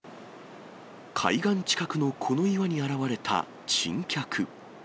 海岸近くのこの岩に現れた珍客。